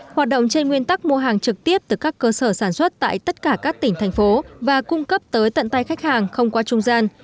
hoạt động trên nguyên tắc mua hàng trực tiếp từ các cơ sở sản xuất tại tất cả các tỉnh thành phố và cung cấp tới tận tay khách hàng không qua trung gian